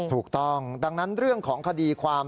ถูกต้องดังนั้นเรื่องของคดีความ